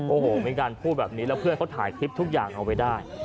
โอ้โหมีการพูดแบบนี้แล้วเพื่อนเขาถ่ายคลิปทุกอย่างเอาไว้ได้